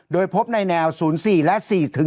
โดยพบในแนว๐๔และ๔๕